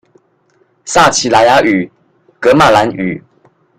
撒奇萊雅語、噶瑪蘭語